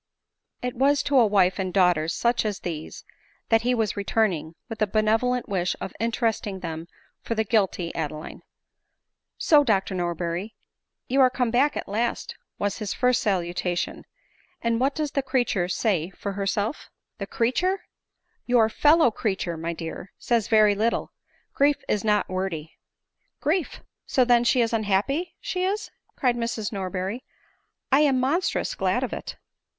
It was to a wife and daughters such as these that he was returning, with the benevolent wish of interesting them for the guilty Adeline. " So, Dr Norberry, you are come back at last !" was his first salutation, " and what does the creature say for herself?" ADELINE MOWBRAY . 1 1 1 M The creature? Your /e/fow creature, my dear, says very little— grief is not wordy." " Grief! So then she is unhappy, is she ?" cries Miss Norberry ;" I am monstrous glad of it."